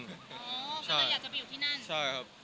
อ๋อเค้าจะอยากจะไปอยู่ที่นั่น